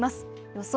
予想